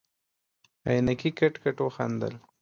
عينکي کټ کټ وخندل.